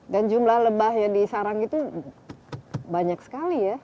dan jumlah lebah yang disarang itu banyak sekali ya